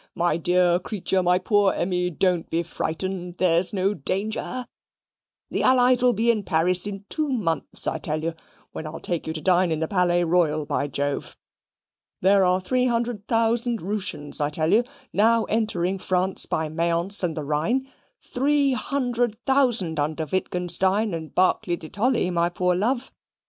"My dear creature, my poor Emmy, don't be frightened. There's no danger. The allies will be in Paris in two months, I tell you; when I'll take you to dine in the Palais Royal, by Jove! There are three hundred thousand Rooshians, I tell you, now entering France by Mayence and the Rhine three hundred thousand under Wittgenstein and Barclay de Tolly, my poor love.